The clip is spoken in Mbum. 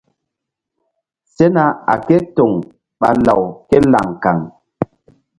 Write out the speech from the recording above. Sena a ké toŋ ɓa law ké laŋ kaŋ.